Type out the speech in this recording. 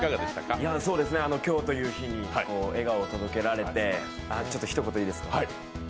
今日という日に笑顔を届けられて、ちょっと一言いいですか。